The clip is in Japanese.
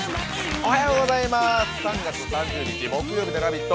おはようございます、３月３０日木曜日の「ラヴィット！」